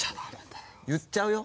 言っちゃうよ。